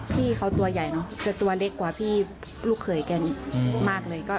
พี่เขาตัวใหญ่เนอะแต่ตัวเล็กกว่าพี่ลูกเขยแกมากเลย